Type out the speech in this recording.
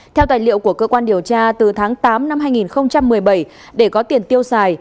theo tài liệu của cơ quan điều tra từ tháng tám năm hai nghìn một mươi bảy để có tiền tiêu xài